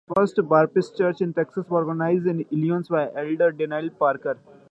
The first Baptist church in Texas was organized in Illinois by Elder Daniel Parker.